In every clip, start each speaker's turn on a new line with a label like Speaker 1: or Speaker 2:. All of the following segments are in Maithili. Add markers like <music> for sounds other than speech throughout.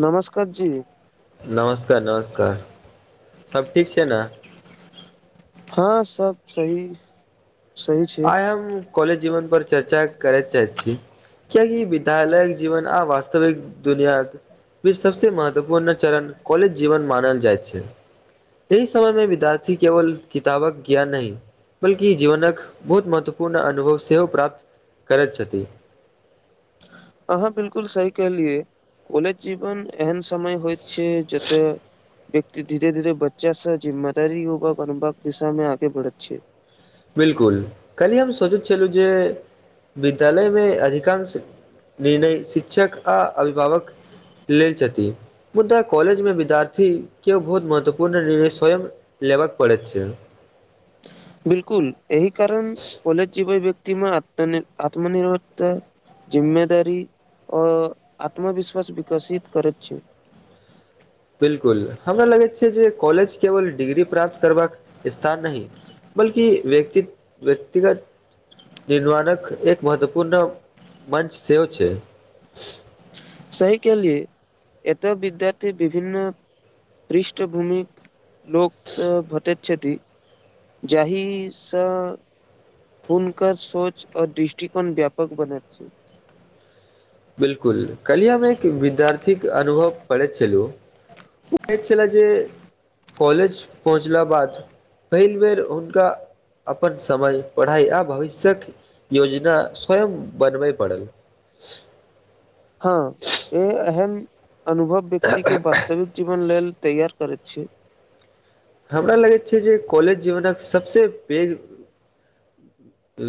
Speaker 1: नमस्कार जी
Speaker 2: नमस्कार नमस्कार सब ठीक छैय ने?
Speaker 1: हँ सब सही सही छै
Speaker 2: आइ हम कॉलेज जीवन पर चर्चा करै चाहै छी। कियकि विद्यालयक जीवन आ वास्तविक दुनिया वि सबसे महत्वपूर्ण चरण कॉलेज जीवन मानल जाइत छै एहि समय मे विद्यार्थी केवल कितबक य्ा नहि बल्कि जीवनक बहुत महत्वपूर्ण अनुभव सेहो प्राप्त करैत छथि
Speaker 1: अहाँ बिलकुल सही कहलियए कॉलेज जीवन एहन समय होइ छै जत व्यक्ति धीरे धीरे बच्चा स जिम्मेदारी युवक अनुबाकबाक दिशामे आगे बढ़ैत छै
Speaker 2: बिलकुल काली हम सोचैत छलहुँ जे विद्यालय मे अधिकांश निर्णय शिक्षक आ अभिभावक लेल छथिति मुदा कॉलेजमे विद्यार्थीक के बहुत महत्वपूर्ण निर्णय स्वयं लेबय पड़ैत छै <inaudible>
Speaker 1: बिलकुल एहि कारण कॉलज जीवै व्यक्तिमे आत्मनिर्भरता जिम्मेदारी आ आत्मविश्वास विकसित करैत छै
Speaker 2: ब बिलकुल हमरा लगैत छै जे कॉलेज केवल डिग्री प्राप्त करबाक स्थान नहि बल्कि व्यक्त व्यक्तिगत निर्माणक एक महत्वपूर्ण मञच सेव छै
Speaker 1: साह कली एटा विद्यार्थी विभन्न पृष्ठभूमि लोककसँ भतत छति जाहि स हुनकर सोच आ दृष्टिकोण व्यापक बनत छै
Speaker 2: बिलकुल कलियामे एक विद्यार्थी अनुभव पढ़ैत छैलु ओ छल जे कॉलेज पहुँचला बाद पहिल बेर हुनका अपन समय पढ़ाइ आ भविष्य्यक योजना स्वयं बनबय पड़ल ह
Speaker 1: हँ ए एहन अनुभव व्यक्तिके वास्तविक जीवन लेल तैयार करैत छी
Speaker 2: हमरा लगैत छै जे कॉलेज जीवनक सबसँ पैघ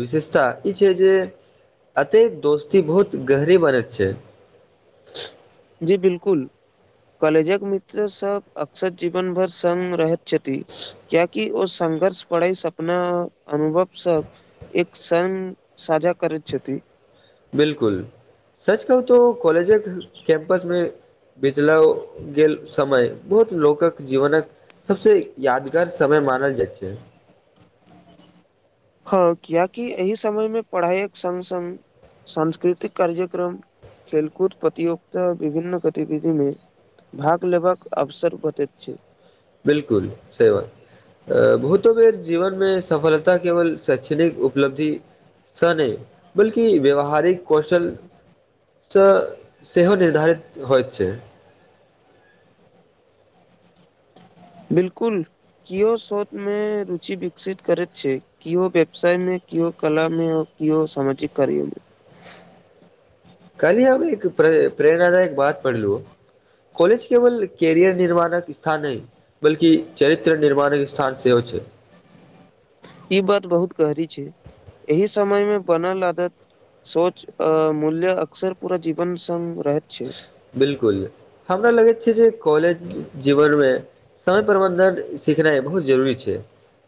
Speaker 2: विशेषता ई छै जे अतेक दोस्ती बहुत गहरी बने छै
Speaker 1: जी बिलकुल कॉलेजक मित्र सब अक्सर जीवन भर स् रहैत चति क्य कि ओ संघर्ष पड़ै सपना अनुभव सब एक स साझा कर पृछति
Speaker 2: बिलकुल सच कहू त कॉलेजे कैं्पसमे बितला गेल समय बहुत लोकक जीवनक सबसे यादगार समय मानल जाइ छै
Speaker 1: हँ कियकि एहि समयमे पढ़ाइक सङ्ग सङ्ग सांस्कृतिक कार्यक्रम खेलकूद प्रतियोगिता विभिन्न गतिविधिमे भाग लेबाक अवसर बतैत छै
Speaker 2: बिलकुल सेवात अ भूत बेर जीवनमे सफलता केवल शैक्षणिक उपलब्धि स नहि बल्कि व्यवहारिक कौशल त सेहो निर्धारित होइ छै
Speaker 1: बिलकुल केओ श्रोतमे रुचि विकसित करैत छै केओ व्यवसायमे केओ कलामे केओ समझिक करियौ मे
Speaker 2: कल अब एक प्रेरणादायक बात पढ़लू कॉलेज केवल कैरियर निर्माणक स्थान ह बल्कि चरित्र निर्माणक स्थान सेहो हो प छै
Speaker 1: ई बात बहुत गहरी छै एहि समय मे बनल आदत सोच मूल्य अक्सर पूरा जीवन संग रहैत छै
Speaker 2: बिलकुल हमरा लगैत छै जे कॉलेज जीवनमे समय प्रबन्धन सिखनाइ बहुत जरूरी छै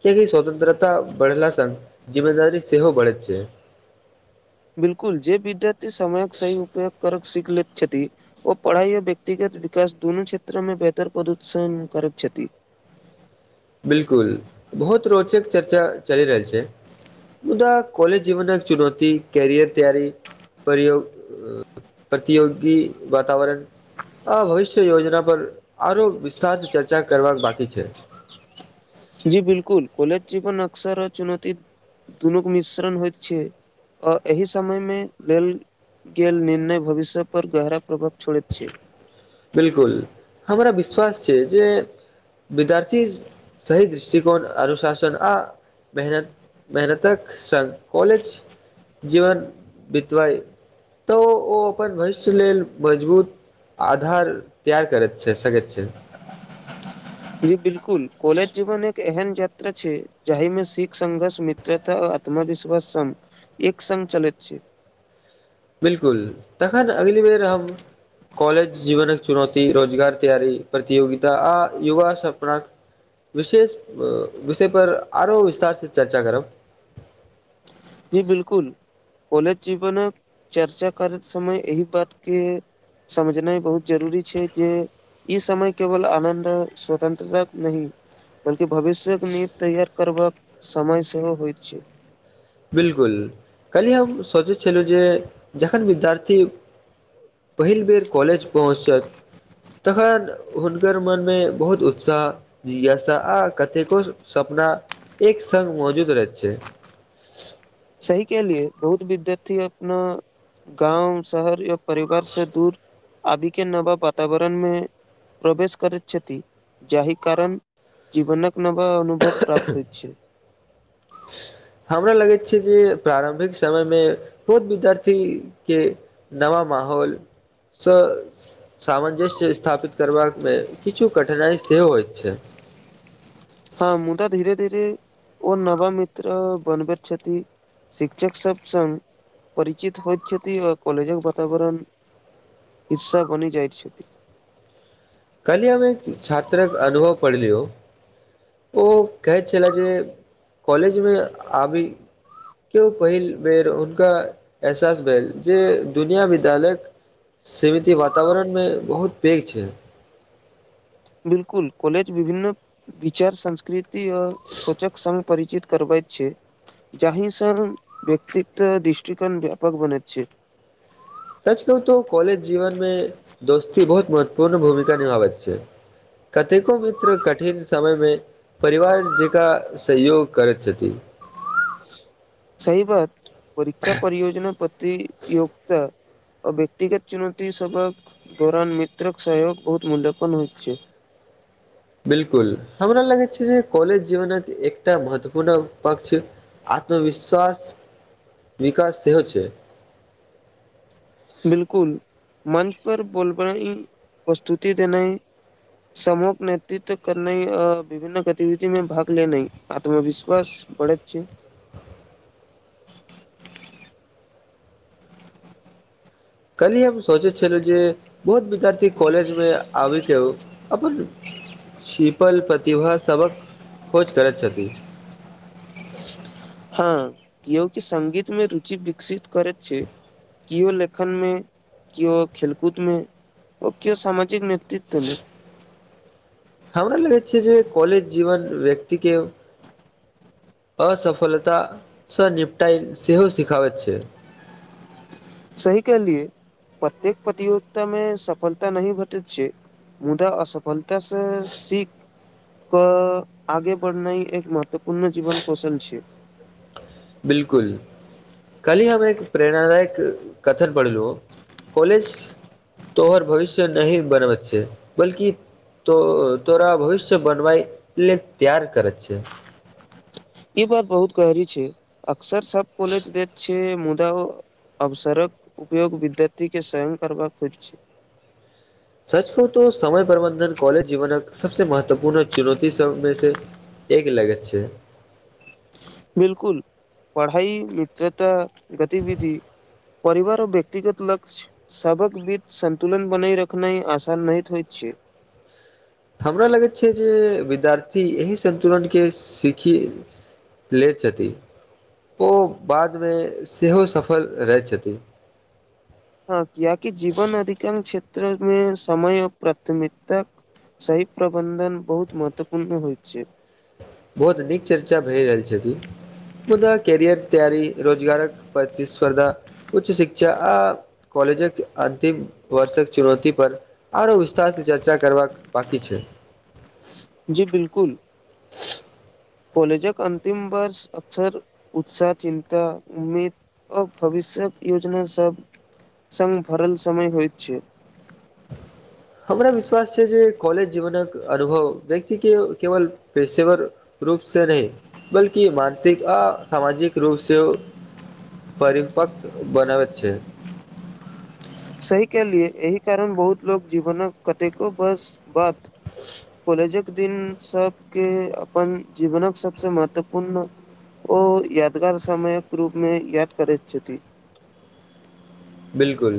Speaker 2: कियकि स्वतन्त्रता बढ़ला स जिम्मेदार सेहोहो बढ़ेैत छै
Speaker 1: बिलकुल जे विद्यार्थी समयक सही उपयोग करै सीख लैत छथि ओ पढ़ाई आ व्यक्तिगत विकास दुनू क्षेत्र मे बेहतर प्रदोत्सन करैत छथि छथि
Speaker 2: ह बिलकुल बहुत रोचक चर्चा चलि रहल छै मुदा कॉलज जीवनमे चुनौती करियर तैयारी परग प्रतियोगी वातावरण आ भविष्य योजना पर आरो विस्तार चर्चा कर बकी छै
Speaker 1: जी बिलकुल कॉलेज जीवन अक्षरो चुनौती दुनू आ एहि समयमे भेल गेल निर्णय भविष्य पर गहरा प्रभाव छोड़ैत छै
Speaker 2: बिलकुल हमरा विश्वास छै जे विद्यार्थी सही दृष्टिकोन अनुशासन आ मेहनत मेहनतक संग कॉलेज जीवन बित्वइ तऽ ओ अपन भविष्य लेल मजबूत आधार तैआर करैत छै सकैत छै
Speaker 1: जी बिलकुल कॉलेज जीवन एक एहन यात्रा छै जाहिमे सिख संघर्ष मित्रता आ आत्मविश्वास संघ एक संघ चलैत छै
Speaker 2: बिलकुल तखन अगली बेर हम कॉलज जीवन चुनौती रोजगार तैयरी प्रतियोगित आ युवा सपनाक विशेष विषय पर आरो विस्तार से चर्चा करब
Speaker 1: जी बिलकुल कॉलेज जीवनक चर्चा करैत समय एहि बातके समझनाइ बहुत जरूरी छै जे ई समय केवल आनन्द स्वतन्त्रता नहि बल्कि भविष्य्यक नीव तैयार करबाक समय सेहो होइत छैय।
Speaker 2: बिलकुल कहलियै हम सोचै छलहुँ जे जखन विद्यार्थी पहिल बेेर कॉलज पहुँचत तखन हुनकर मनमे बहुत उत्साह जिज्ञासा आ कतेको सपना एक संघ मौजूद रह छै
Speaker 1: एहि के लिए बहुत विद्यार्थी अपना गाँव शहर या परिवार से दूर आबी के नबा वातावरणमे प्रवेश करैत छथि जाहि कारण जीवनक नवा अनुभव प्राप्त होइ छै
Speaker 2: हमरा लगैत छै जे प्रारम्भिक समय मे बहुत विद्यार्थी के नवा म माहौल सँ सामंजस्य स्थापित करबाकामे किछु कठिनाइ सेहो होइत छै
Speaker 1: हँ मुदा धीरे धीरे ओ नवा मित्र बनबैत छथि शिक्षक सभ सग परिचित होइ छथि आ कॉलेजक वातावरण हिसा बनि जाइत छथि
Speaker 2: कल्ही हम एक छात्रक अनुभव पढ़लौ ओ कहैत छलाह जे कॉलेजमे आबी के ओ पहिल बेर उनका एहसास भेल जे दुनिया विद्यालयक सीमिति वातावरणमे बहुत पैघ छैय।
Speaker 1: बिल्कुल कॉलेज विभिन्न विचार संस्कृति आ सोचक संघ परिचित करबैत छैय। जहिसर संघ व्यक्तित्व दृष्टिकोण व्यापक बन छैय।
Speaker 2: सच कहू तो कॉलेज जीवन में दोस्ती बहुत महत्वपूर्ण भूमिका निभाबैत छैय। कतेको मित्र कठिन समयमे परिवार जेका सहयोग करैत छथि।
Speaker 1: सहि बात परीक्षा परियोजना प्रतियोगता आ व्यक्तिगत चुनौती सभक दौरान मित्रक सहयग बहुत मूल्यपन्न होइत छैय।
Speaker 2: <unintelligible> बिलकुल हमरा लागै छैय जे कलेज जीवन एकटा महत्वपूर्ण पक्ष आत्मविश्वास विकास सेहो छैय।
Speaker 1: बिलकुल मंच पर बोलबई प्रस्तुति देनाय समूह नेतृत्व करनैय आ विभिन्न गतिविधि मे भाग लेने आत्मविश्वास <unintelligible>
Speaker 2: <unintelligible> काल्ही हम सोचे छल जे बहुत विद्यार्थी कॉलेज मे आबै के अपन सितल प्रतिभा सबक खोज करैत छथि।
Speaker 1: हँ केओ कि सगीत मे रुचि विकसित करैत छैय। किओ लेखन मे किओ खेलकूद मे ओ किओ सामाजिक नेत्व <unintelligible>
Speaker 2: हमरा लगै छैय जे कलज जीवन व्यक्ति के असफलतासँ निपटाइ सेहो सिखाबैत छैय।
Speaker 1: सही कहलियए प्रत्येक प्रतियोगिता मे सफलता नहि भेटैत छैय। मुदा असफलतसँ शीख क आगे बढ़नाइ ह एक महत्वपूर्ण जीवन कौशल छैय।
Speaker 2: बिलकुल कल्हि हम एक प्रेरणादायक कथन पढ़लहुँ कॉलेज तोहर भविष्य नहि बनबेय छैय बल्कि त तोरा भविष्य बनबैय ल त्यार करैत छै
Speaker 1: ई बात बहुत गहरी छै अक्सर सब कॉलज दैत छै मुदा अवसरक उपयोग विद्यार्थीके स्वयं करबाक होइत छै
Speaker 2: <unintelligible> सच कहु त समय प्रबन्धन कॉलेज जीवनक सबसे महत्वपूर्ण चुनौती सबमे से एक लगै छैय।
Speaker 1: बिलकुल पढ़ाइ मित्रता गतिविधि परिवारो व्यक्तिगत लक्षय सबक बिच सन्तुलन बनाइ रखनाइ आसान नत होइत छैय।
Speaker 2: <unintelligible> हमरा लगैत छैय जे विद्यार्थी एहि संन्तुलनके सीखी लैत छथि। ओ बादमे सेहो सफल रहै छथिन।
Speaker 1: हँ कियकि जीवन अधिकांश क्षेत्रमे समय प्राथमिकता सहिब प्रबन्धन बहुत महत्वपूर्ण होइ छैय।
Speaker 2: बहुत नीक चर्चा भए रहल छथिन मुदा कैरियर तैयारी रोजगारक प्रतिस्पर्धा उच्च शिक्षा आ कॉलेजक अन्तिम वर्षक चुनौती पर आरो विस्तार से चर्चा कर बाकी छैय। <unintelligible>
Speaker 1: जी बिलकुल कॉलेजक अन्तिम वर्ष अक्सर उत्साह चिन्ता उम्मीद आ भविष्यक योजना सभ संग भरल समय होइत छै
Speaker 2: <unintelligible> हमरा विश्वास छै जे कॉलेज जीवनक अनुभव व्यक्ति के केवल पेशेवर रूप से नहि बल्कि मानसिक आ सामाजिक रूपसे परिपक्व बनाबैत छै
Speaker 1: सही केहलियै एहि कारण बहुत लोक जीवनक कतेको बस बात कॉलेजे एक दिन सबके अपन जीवनक सभसँ महत्वपूर्ण ओ यादगार समयक रूपमे याद करैत छथि
Speaker 2: बिलकुल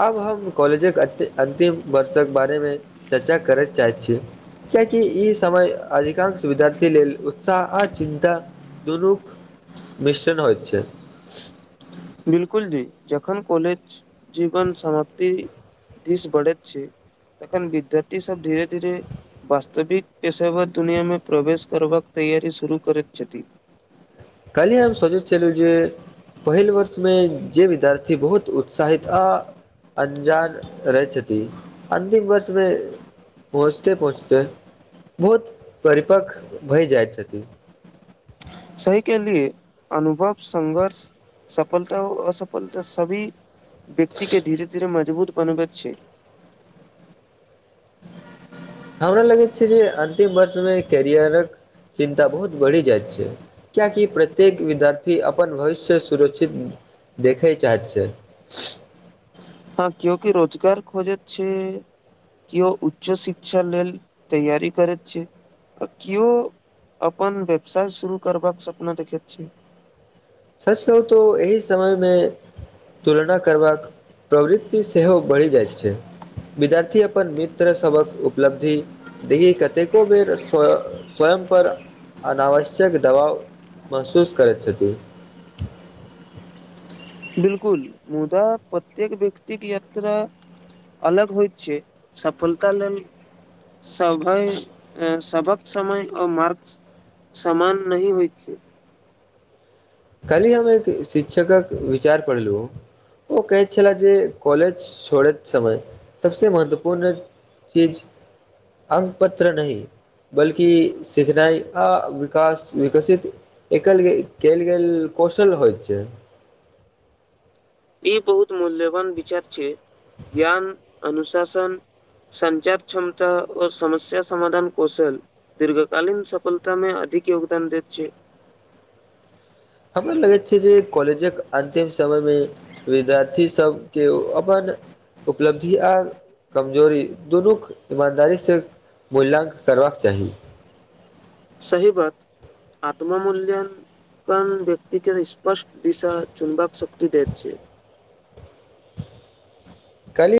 Speaker 2: आब हम कॉलेजक अन्तिम वर्षक बारेमे चर्चा करय चाहैत छीय कियाकी ई समय अधिकांश विद्यार्थी लेल उत्साह आ चिन्ता दुनूक मिश्रन होइत छै
Speaker 1: बिलकुल जी जखन कॉलेज जीवन समाप्ति दिश बढ़ैत छै तखन विद्यार्थी सब धीरे धीरे वास्तविक पेशेवर दुनियामे प्रवेश करबाक तैयरी शुरू करैत छथि
Speaker 2: कलिय हम सोचै छलहुं जे पहिल वर्षमे जे विद्यार्थी बहुत उत्साहित आ अन्जान रहै छथि अन्तिम वर्षमे पहुँचते पहुँचते बहुत परिपक्व भए जाइत छथिन
Speaker 1: सही केहलियै अनुभव संघर्ष सफलता असफलता सभी व्यक्ति के धीरे धीरे म जबुत बनबै छै
Speaker 2: हमरा लगैत छै जे अंतिम वर्षमे कैरियरक चिन्ता बहुत बढ़ि जाइत छै किएकि प्रत्येक विद्यार्थी अपन भविष्य सुरक्षित देखय चाहैत छै
Speaker 1: हँ क्योकि रोजगार खोजैत छै किओ उच्च शिक्षा लेल तैयारी करैत छै आ किओ अपन व्यवसाय शुरू करबाक सपना देखैत छी
Speaker 2: सच कहू तो एहि समयमे तुलना करबाक प्रवृति सेहो बढ़ि जाइत छै विद्यार्थी अपन मित्र सभक उपलब्धि दी कतेको बेर स्वयं पर अनावश्यक दबाव महसूस करैत छथि। <inaudible>
Speaker 1: बिलकुल मुदा प्रत्येक व्यक्तिक यात्रा अलग होइ छै सफलता लेल सभय सबक समय ओ मार्ग समान नहि होइ छै
Speaker 2: काल्हि हमे एक शिक्षकक विचार पढ़लुं ओ कहैत छले जे कॉलेज छोड़ैत समय सभसँ महत्वपूर्ण चीज अंक पत्र नहि बल्कि सिखनाई आ विकास विकसित एकल केल लेल कौशल होइ छै
Speaker 1: ई बहुत मूल्यवान विचार छै ज्ञान अनुशासन संचार क्षमता आ समस्या समाधान कौशल दीर्घकालीन सफलतामे अधि दिक यगदान दैत छै
Speaker 2: <inaudible> हमरा लगैत छैय जे कॉलेजक अन्तिम समयमे विद्यार्थी सबके अपन उपलब्धि आ कमजोरी दुनू ईमानदारी से मूल्याङंकन करबाक चाही।
Speaker 1: सहिबात आत्ममूल्यान कन व्यक्ति के स्पष्ट दिशा चुमबक शक्त द छैय।
Speaker 2: कल्हि